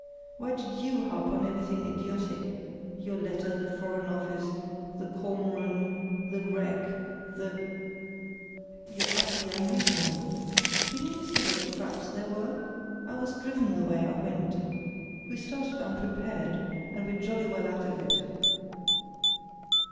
Why did you harp on everything idiotic—your letter, the Foreign Office, the Kormoran, the wreck, the——?" "You're utterly unreasonable. Didn't you see what traps there were? I was driven the way I went. We started unprepared, and we're jolly well out of it."